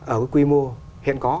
ở cái quy mô hiện có